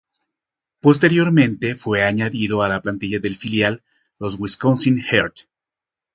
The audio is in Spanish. Posteriormente fue añadido a la plantilla del filial, los Wisconsin Herd.